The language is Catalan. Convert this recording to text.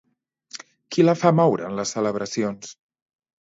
Qui la fa moure en les celebracions?